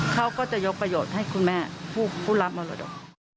เขาก็จะยกประโยชน์ให้คุณแม่ผู้รับมรดก